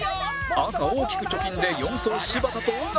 赤大きく貯金で４走柴田と尾形